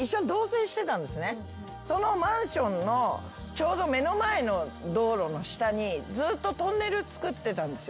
そのマンションのちょうど目の前の道路の下にずっとトンネル造ってたんですよ。